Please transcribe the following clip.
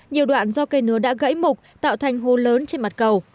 nhiều đoạn do cây nứa đã gãy mục tạo thành hô lớn trên mặt cầu